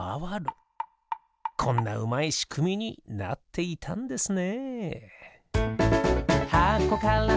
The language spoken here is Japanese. こんなうまいしくみになっていたんですね。